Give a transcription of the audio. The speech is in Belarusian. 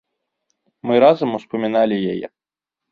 Мы разам успаміналі яе.